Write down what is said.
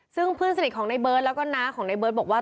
ซึ่งเพื่อนสนิทของในเบิร์ตแล้วก็น้าของในเบิร์ตบอกว่า